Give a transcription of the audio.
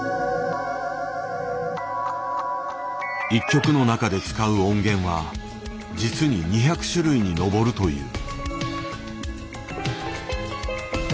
１曲の中で使う音源は実に２００種類に上るという。